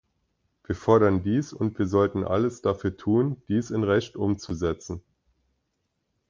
Wir fordern dies, und wir sollten alles dafür tun, dies in Recht umzusetzen.